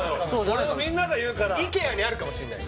それをみんなが言うからＩＫＥＡにあるかもしんない